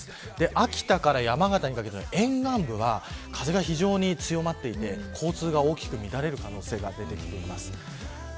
秋田から山形にかけての沿岸部は風が非常に強まっていて、交通が大きく乱れる可能性が出てきています。